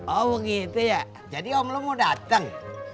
oh begitu ya jadi om lo mau dateng